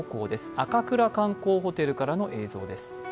赤倉観光ホテルからの映像です。